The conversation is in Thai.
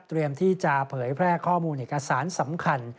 เตรียมที่จะเผยแภกข้อมูลเอกสารสำคัญ